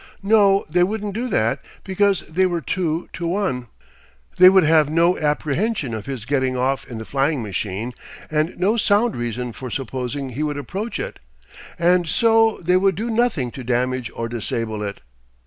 No, they wouldn't do that, because they were two to one; they would have no apprehension of his getting off in the flying machine, and no sound reason for supposing he would approach it, and so they would do nothing to damage or disable it.